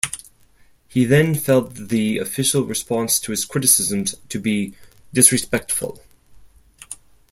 He then felt the official response to his criticisms to be disrespectful.